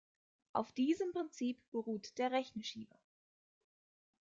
Auf diesem Prinzip beruht der Rechenschieber.